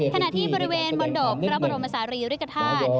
ขณะที่บริเวณบนดอกพระบรมศาลีริกฐาตุ